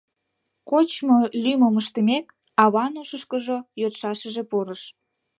Кочмо лӱмым ыштымек, аван ушышкыжо йодшашыже пурыш: